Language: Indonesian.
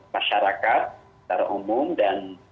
masyarakat secara umum dan